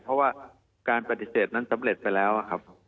เพราะว่าการปฏิเสธนั้นสำเร็จไปแล้วครับ